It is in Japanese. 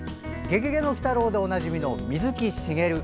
「ゲゲゲの鬼太郎」でおなじみの水木しげる。